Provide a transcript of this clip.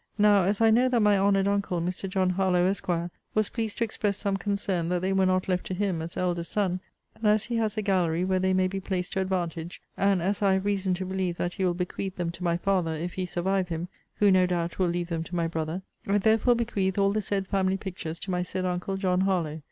Now, as I know that my honoured uncle, Mr. John Harlowe, Esq. was pleased to express some concern that they were not left to him, as eldest son; and as he has a gallery where they may be placed to advantage; and as I have reason to believe that he will bequeath them to my father, if he survive him, who, no doubt, will leave them to my brother, I therefore bequeath all the said family pictures to my said uncle, John Harlowe.